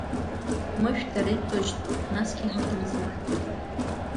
Мышә дара иртәышьҭроуп, насгьы ҳаҭыр змоу хьӡуп!